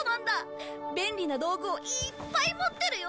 便利な道具をいっぱい持ってるよ。